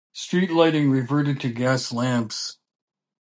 Street lighting reverted to gas lamps.